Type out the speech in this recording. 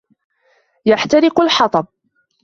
يَحْتَرِقُ الْحَطَبُ.